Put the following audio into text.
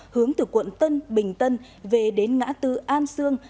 hướng từ quận tân bình tân về đến ngã tư an sương